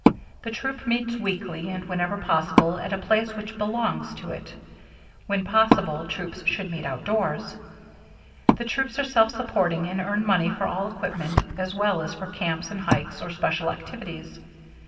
The Troop meets weekly and wherever possible at a place which "belongs" to it. When possible troops should meet outdoors. The troops are self supporting and earn money for all equipment as well as for camps and hikes or special activities.